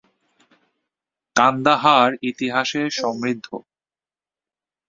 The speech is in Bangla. কান্দাহার ইতিহাসে সমৃদ্ধ।